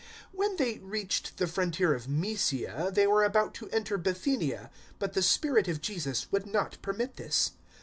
016:007 When they reached the frontier of Mysia, they were about to enter Bithynia, but the Spirit of Jesus would not permit this.